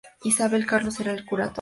Isabel Carlos era el Curator.